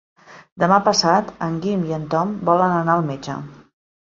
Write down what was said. Demà passat en Guim i en Tom volen anar al metge.